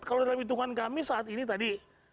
kalau dalam hitungan kami saat ini tadi